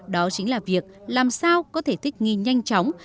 đó chính là việc làm sao có thể thích nghi nhanh chóng